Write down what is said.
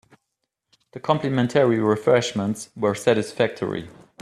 The complimentary refreshments were satisfactory.